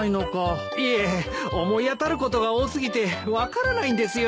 いえ思い当たることが多過ぎて分からないんですよ。